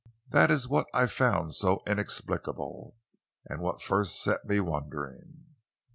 That is what I found so inexplicable, what first set me wondering."